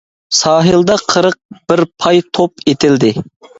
ساھىلدا قىرىق بىر پاي توپ ئېتىلدى.